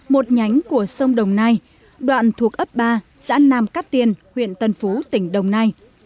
một nhánh của sông đồng nai đoạn thuộc ấp ba giãn nam cát tiên huyện tân phú tỉnh đồng nai